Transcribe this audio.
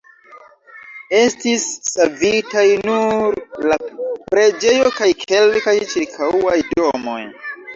Estis savitaj nur la preĝejo kaj kelkaj ĉirkaŭaj domoj.